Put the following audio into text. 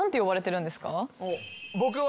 僕は。